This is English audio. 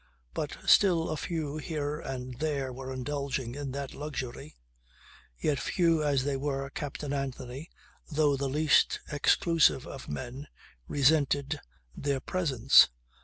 But still a few here and there were indulging in that luxury; yet few as they were Captain Anthony, though the least exclusive of men, resented their presence.